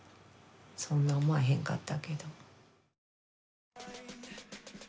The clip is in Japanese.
そんな思わへんかったけど。